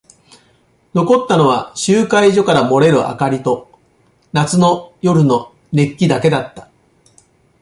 残ったのは集会所から漏れる明かりと夏の夜の熱気だけだった。